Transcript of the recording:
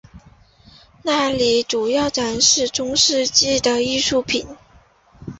那里主要展出中世纪的艺术品。